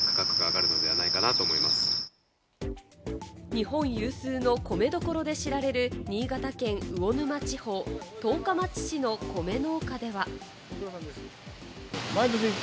日本有数の米どころで知られる新潟県魚沼地方、十日町市の米農家では。